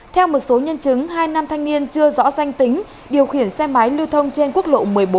theo một số nhân chứng hai nam thanh niên chưa rõ danh tính điều khiển xe máy lưu thông trên quốc lộ một mươi bốn